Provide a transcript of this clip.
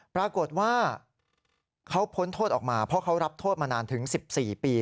ปรากฏว่าเขาพ้นโทษออกมาเพราะเขารับโทษมานานถึง๑๔ปี